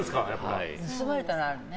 盗まれたのはあるね。